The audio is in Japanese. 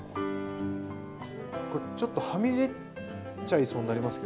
ちょっとはみ出ちゃいそうになりますけど。